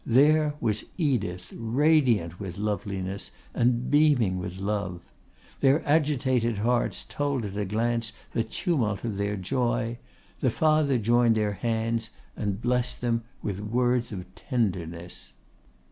There was Edith, radiant with loveliness and beaming with love. Their agitated hearts told at a glance the tumult of their joy. The father joined their hands, and blessed them with words of tenderness.